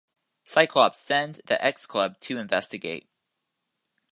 Cyclops sends the X-Club to investigate.